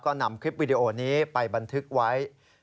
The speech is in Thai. ก็นำคลิปวิดีโอนี้ไปบันทึกไว้